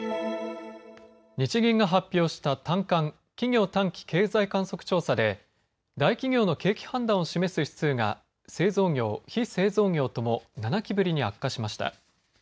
日銀が発表した短観・企業短期経済観測調査で大企業の景気判断を示す指数が製造業・非製造業とも７期ぶりに悪化しました。